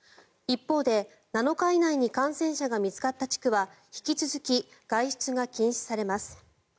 一方で、７日以内に感染者が見つかった地区は引き続き外出が禁止されます。